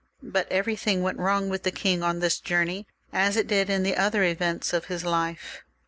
But everything went wrong with the king on this journey, as it did in the other events of his life.